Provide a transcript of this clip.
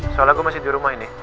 soalnya gue masih di rumah ini